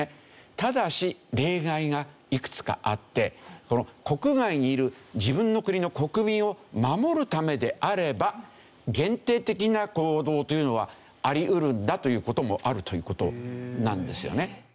ただし例外がいくつかあって国外にいる自分の国の国民を守るためであれば限定的な行動というのはあり得るんだという事もあるという事なんですよね。